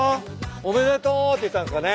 おめでとうって言ったんすかね？